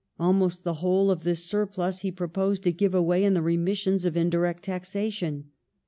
Almost the whole of this surplus he proposed to give away in remissions of indirect taxation.